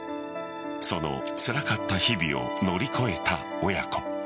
そのつらかった日々を乗り越えた親子。